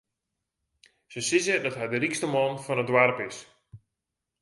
Se sizze dat hy de rykste man fan it doarp is.